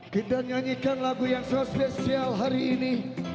kita nyanyikan lagu yang spesial hari ini